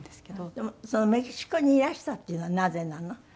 でもメキシコにいらしたっていうのはなぜなの？